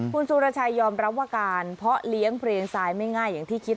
คุณสุรชัยยอมรับว่าการเพาะเลี้ยงเพลงทรายไม่ง่ายอย่างที่คิด